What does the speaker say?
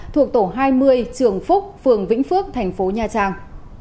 thuộc tổ hai mươi trường phúc phường vĩnh phước thành phố nha trang